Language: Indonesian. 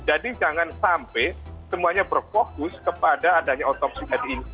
jadi jangan sampai semuanya berfokus kepada adanya otopsi